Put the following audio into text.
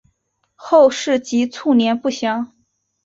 后事及卒年不详。